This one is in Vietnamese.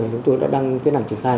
chúng tôi đã đăng tiến hành triển khai